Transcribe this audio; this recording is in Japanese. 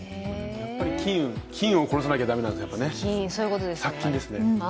やっぱり菌を殺さなきゃダメなんですね、殺菌ですね。